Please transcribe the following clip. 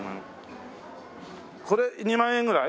これ２万円ぐらい？